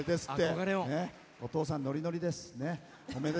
お父さん、ノリノリです。